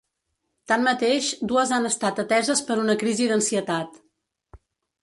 Tanmateix, dues han estat ateses per una crisi d’ansietat.